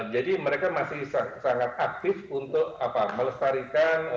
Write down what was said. jadi mereka masih sangat aktif untuk melestarikan